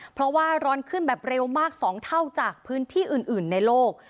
เพราะว่าร้อนขึ้นแบบเร็วมาก๒เท่าจากพื้นที่อื่นในโลก